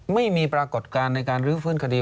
ไม่มีปรากฏการณ์ในการเรียกฟื้นคดี